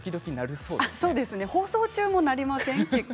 そうですね放送中も鳴りませんか？